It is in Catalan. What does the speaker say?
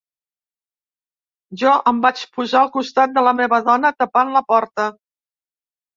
Jo em vaig posar al costat de la meva dona tapant la porta.